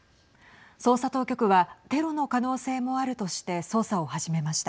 捜査当局はテロの可能性もあるとして捜査を始めました。